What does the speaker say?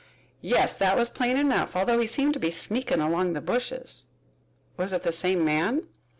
"Yes, that was plain enough, although he seemed to be sneakin' along the bushes." "Was it the same man?"